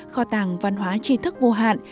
kho tàng văn hóa tri thức vô hạn